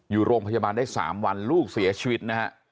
อยู่โรงพยาบาลได้๓วันลูกเสียชีวิตนะฮะ